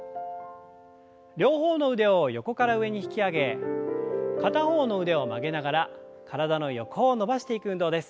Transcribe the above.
両方の腕を横から上に引き上げ片方の腕を曲げながら体の横を伸ばしていく運動です。